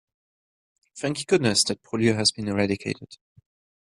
Thank goodness that polio has been eradicated.